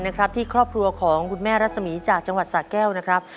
นะครับที่ครอบครัวของคุณแม่รัศมีจากจังหวัดสะแก้วนะครับ